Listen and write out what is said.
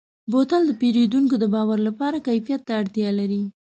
بوتل د پیرودونکو د باور لپاره کیفیت ته اړتیا لري.